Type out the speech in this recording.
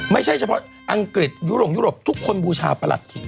ไม่ใช่เฉพาะอังกฤษยุโรปยุโรปทุกคนบูชาประหลัดถิ่น